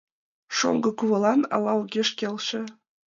— Шоҥго кувалан ала огеш келше.